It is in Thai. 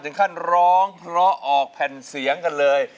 ถึงขั้นร้องเนาะออกแผ่นเสียงกันเลย